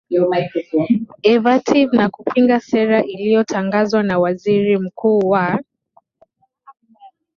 ervative na kupinga sera iliyotangazwa na waziri mkuu wa